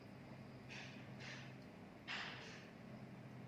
Náklady, které nikdo neplatí, jsou namísto toho přeneseny na společnost.